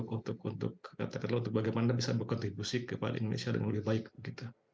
untuk bagaimana bisa berkontribusi kepada indonesia dengan lebih baik